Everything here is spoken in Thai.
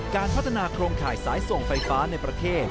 การพัฒนาโครงข่ายสายส่งไฟฟ้าในประเทศ